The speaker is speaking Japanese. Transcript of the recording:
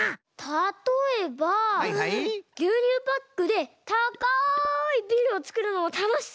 たとえばぎゅうにゅうパックでたかいビルをつくるのもたのしそうですね。